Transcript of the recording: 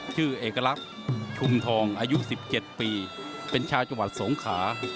ชื่อเอกลักษณ์ชุมทองอายุ๑๗ปีเป็นชาวจังหวัดสงขา